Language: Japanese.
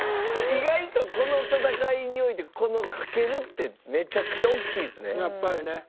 意外とこの戦いにおいてこのかけるってめちゃくちゃ大きいですね。